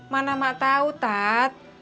mana emak tahu tat